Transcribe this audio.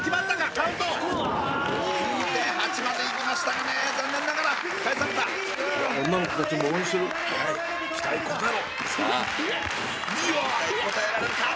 カウント２．８までいきましたがね残念ながら返された女の子達も応援してる期待に応えろさあ期待に応えられるか？